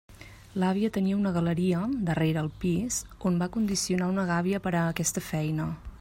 L'àvia tenia una galeria, darrere el pis, on va condicionar una gàbia per a aquesta feina.